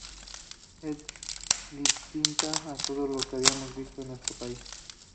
Es distinta a todo lo que habíamos visto en nuestro país.